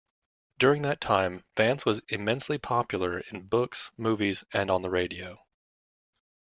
During that time, Vance was immensely popular in books, movies, and on the radio.